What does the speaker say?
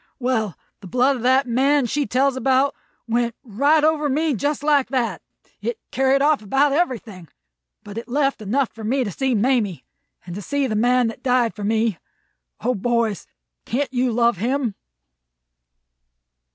Well, the blood of that Man she tells about went right over me just like that. It carried off about everything; but it left enough for me to see Mamie, and to see the Man that died for me. O boys, can't you love him?"